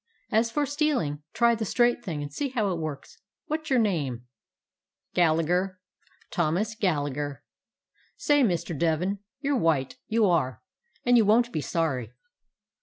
As for stealing, try the straight thing and see how it works. What 's your name?" "Gallagher. Thomas Gallagher. Say, Mr. Devin, you 're white, you are, and you won't be sorry."